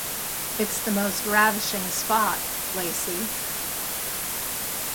It’s the most ravishing spot, Lacey.